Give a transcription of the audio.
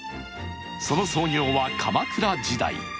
その創業は鎌倉時代。